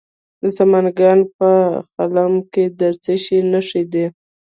د سمنګان په خلم کې د څه شي نښې دي؟